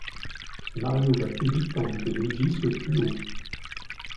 Mario va plus vite tandis que Luigi saute plus haut.